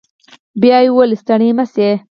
بيا يې وويل ستړي مه سئ.